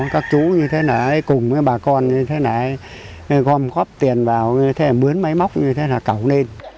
các chú như thế này cùng với bà con như thế này gom góp tiền vào như thế này mướn máy móc như thế này cầu lên